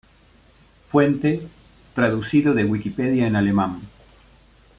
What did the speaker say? Fuente: Traducido de Wikipedia en alemán